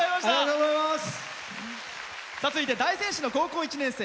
続いて大仙市の高校１年生。